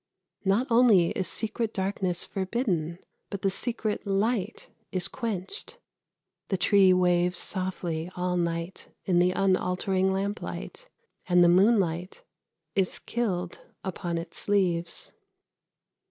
Not only is secret darkness forbidden, but the secret light is quenched. The tree waves softly all night in the unaltering lamplight, and the moonlight is killed upon its leaves.